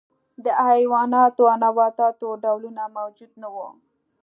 د حیواناتو او نباتاتو ډولونه موجود نه وو.